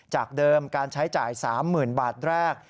จากเดิมการใช้จ่าย๓๐๐๐บาทแรก